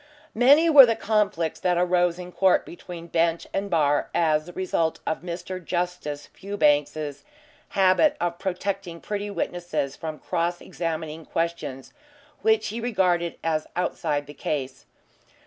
Many were the conflicts that arose in court between bench and bar as the result of Mr. Justice Fewbanks's habit of protecting pretty witnesses from cross examining questions which he regarded as outside the case.